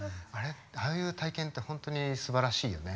ああいう体験って本当にすばらしいよね。